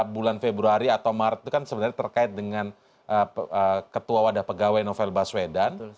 bulan februari atau maret itu kan sebenarnya terkait dengan ketua wadah pegawai novel baswedan